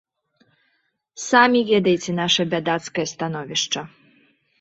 Самі ведаеце наша бядацкае становішча.